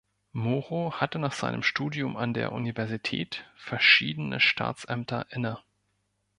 Moro hatte nach seinem Studium an der Universität verschiedene Staatsämter inne.